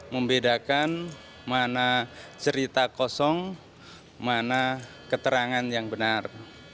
membedakan mana cerita kosong mana keterangan yang benar